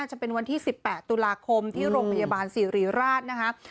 จะเป็นวันที่๑๘ตุลาคมที่โรงพยาบาลสิริราชนะคะ